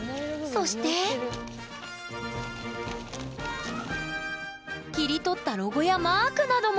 そして切り取ったロゴやマークなども！